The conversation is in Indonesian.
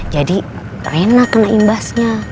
jadi rena kena imbasnya